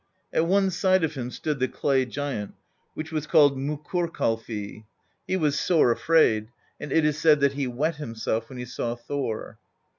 At one side of him stood the clay giant, which was called Mokkur kalfi: he was sore afraid, and it is said that he wet himself when he saw Thor.